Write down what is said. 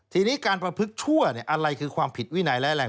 ทีนี้การประพฤกษั่วอะไรคือความผิดวินัยร้ายแรง